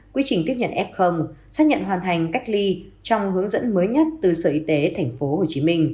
quy trình tiếp nhận f xác nhận hoàn thành cách ly trong hướng dẫn mới nhất từ sở y tế tp hcm